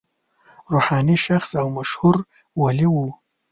روحاني شخص او مشهور ولي و.